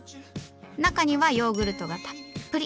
中にはヨーグルトがたっぷり。